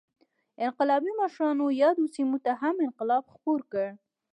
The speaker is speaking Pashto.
انقلابي مشرانو یادو سیمو ته هم انقلاب خپور کړ.